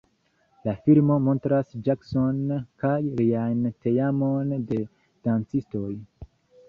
La filmo montras Jackson kaj lian teamon de dancistoj.